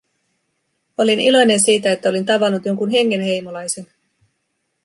Olin iloinen siitä, että olin tavannut jonkun hengenheimolaisen.